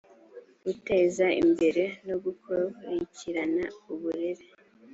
guteza imbere no gukurikirana uburere